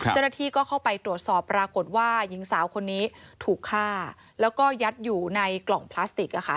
เจ้าหน้าที่ก็เข้าไปตรวจสอบปรากฏว่าหญิงสาวคนนี้ถูกฆ่าแล้วก็ยัดอยู่ในกล่องพลาสติกอะค่ะ